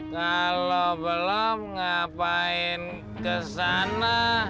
kalau belum ngapain kesana